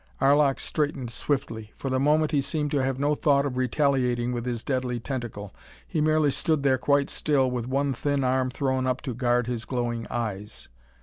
Arlok straightened swiftly. For the moment he seemed to have no thought of retaliating with his deadly tentacle. He merely stood there quite still with one thin arm thrown up to guard his glowing eyes.